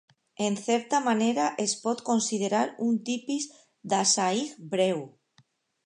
En certa manera es pot considerar un tipus d'assaig breu.